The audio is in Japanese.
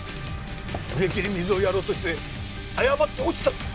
植木に水をやろうとして誤って落ちたんです！